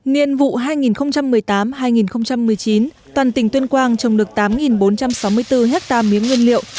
niên vụ hai nghìn một mươi tám hai nghìn một mươi chín toàn tỉnh tuyên quang trồng được tám bốn trăm sáu mươi bốn hectare mía nguyên liệu